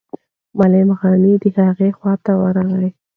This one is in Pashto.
معلم غني د هغه خواته ورغی.